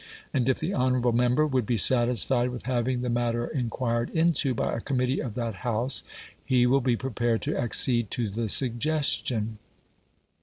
And if the honourable member would be satisfied with having the matter inquired into by a committee of that House, he will be prepared to accede to the suggestion."